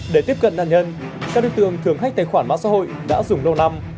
để tiếp cận nạn nhân các đối tượng thường hách tài khoản mạng xã hội đã dùng lâu năm